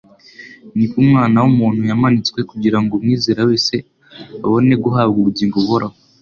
niko Umwana w'umuntu yamanitswe kugira ngo umwizera wese abone guhabwa ubugingo buhoraho.'°»